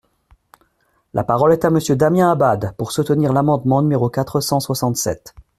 La parole est à Monsieur Damien Abad, pour soutenir l’amendement numéro quatre cent soixante-sept.